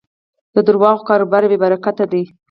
د دروغو کاروبار بېبرکته دی.